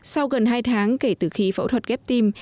sau gần hai tháng kể từ khi phẫu thuật ghép tim